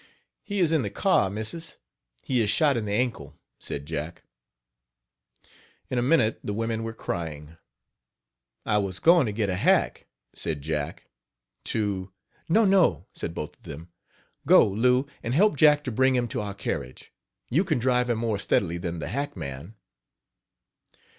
"He is in the car, Missis he is shot in the ankle," said Jack. In a minute the women were crying. "I was going to get a hack," said Jack, "to " "No, No!" said both of them. "Go, Lou, and help Jack to bring him to our carriage. You can drive him more steadily than the hackman.